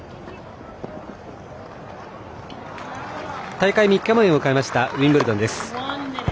大会３日目を迎えましたウィンブルドンです。